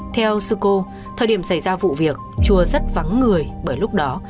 theo sư cô thời điểm xảy ra vụ việc chùa rất vắng người bởi lúc đó